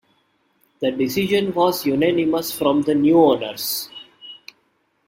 The decision was unanimous from the new owners.